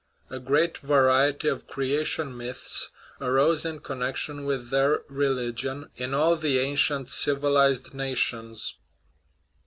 A great vari ety of creation myths arose in connection with their re ligion in all the ancient civilized nations.